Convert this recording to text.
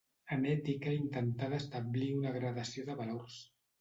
En ètica intentà d’establir una gradació de valors.